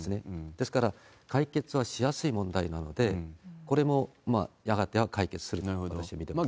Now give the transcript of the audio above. ですから、解決はしやすい問題なので、これもやがては解決すると私は見てます。